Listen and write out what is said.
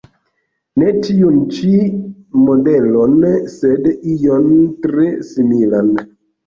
Ne tiun ĉi modelon, sed ion tre similan.